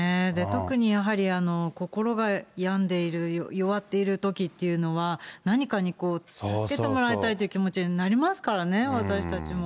特にやはり心が病んでいる、弱っているときっていうのは、何かに助けてもらいたいという気持ちになりますからね、私たちも。